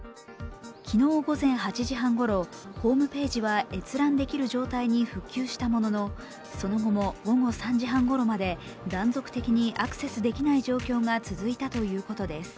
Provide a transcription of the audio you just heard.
昨日午前８時半ごろホームページは閲覧できる状態に復旧したもののその後も午後３時半ごろまで断続的にアクセスできない状況が続いたということです。